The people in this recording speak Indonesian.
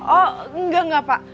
oh enggak enggak pak